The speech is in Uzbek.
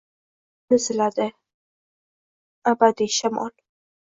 Etimni siladi abadiy shamol.